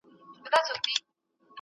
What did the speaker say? اوسک